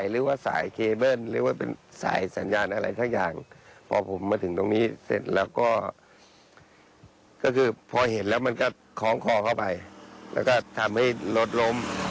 แล้วก็ทำให้ลดลม